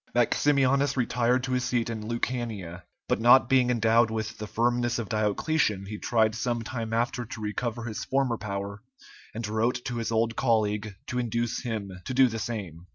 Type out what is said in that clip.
Maximianus retired to his seat in Lucania, but not being endowed with the firmness of Diocletian he tried some time after to recover his former power, and wrote to his old colleague to induce him to do the same.